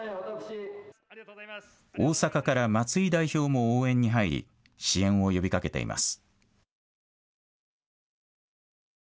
大阪から松井代表も応援に入り、支援を呼びかけています。